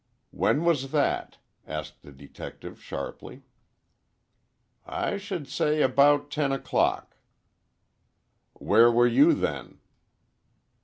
"When was that?" asked the detective, sharply. "I should say about ten o'clock." "Where were you, then?"